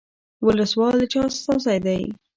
ولسوال د چا استازی دی؟